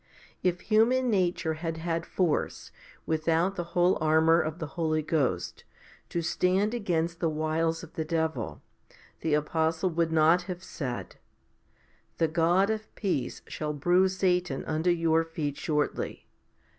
1 If human nature had had force, without the whole armour of the Holy Ghost, to stand against the wiles of the devil, 2 the apostle would not have said, The God of peace shall bruise Satan under your feet shortly?